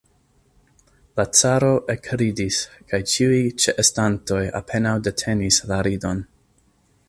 La caro ekridis, kaj ĉiuj ĉeestantoj apenaŭ detenis la ridon.